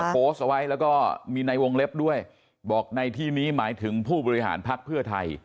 โพสต์เอาไว้แล้วก็มีในวงเล็บด้วยบอกในที่นี้หมายถึงผู้บริหารภักดิ์เพื่อไทย